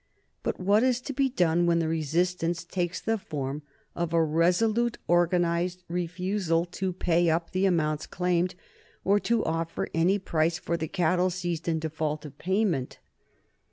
But what is to be done when the resistance takes the form of a resolute organized refusal to pay up the amounts claimed or to offer any price for the cattle seized in default of payment?